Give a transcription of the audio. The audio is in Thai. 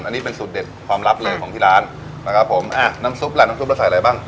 อันนี้เป็นสูตรเด็ดความลับเลยของที่ร้านนะครับผมอ่ะน้ำซุปล่ะน้ำซุปเราใส่อะไรบ้าง